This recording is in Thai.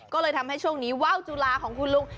ก็เลยทำให้ช่วงนี้ว่าวจุลาของคุณลุง